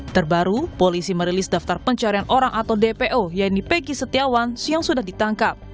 terbaru polisi merilis daftar pencarian orang atau dpo yaitu pegi setiawan yang sudah ditangkap